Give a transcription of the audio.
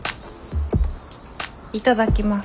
いただきます。